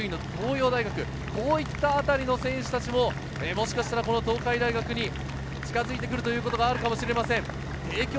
９位・國學院、１０位の東洋大学、こういったあたりの選手たちももしかしたら東海大に近づいてくるということがあるかもしれません。